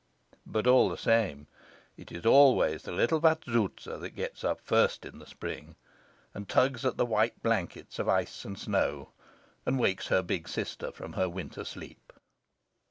But all the same, it is always the little Vazouza that gets up first in the spring, and tugs at the white blankets of ice and snow, and wakes her big sister from her winter sleep.